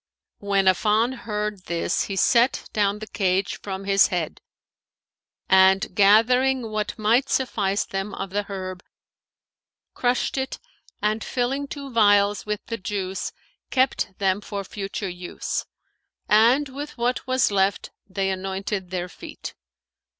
When Affan heard this, he set down the cage from his head and, gathering what might suffice them of the herb, crushed it and filling two vials with the juice kept them for future use; and with what was left they anointed their feet.